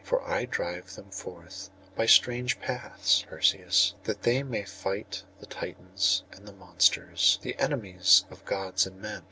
For I drive them forth by strange paths, Perseus, that they may fight the Titans and the monsters, the enemies of Gods and men.